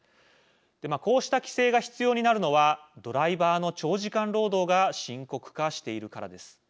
こうした規制が必要になるのはドライバーの長時間労働が深刻化しているからです。